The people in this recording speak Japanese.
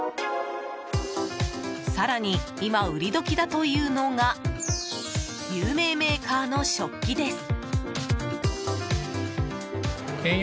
更に、今、売り時だというのが有名メーカーの食器です。